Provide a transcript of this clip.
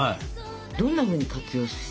どんなふうに活用したらいい？